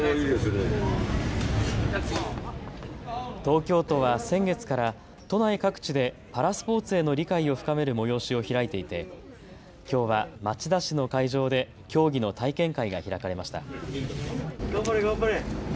東京都は先月から都内各地でパラスポーツへの理解を深める催しを開いていてきょうは町田市の会場で競技の体験会が開かれました。